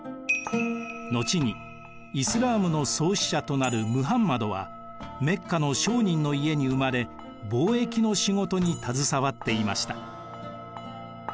後にイスラームの創始者となるムハンマドはメッカの商人の家に生まれ貿易の仕事に携わっていました。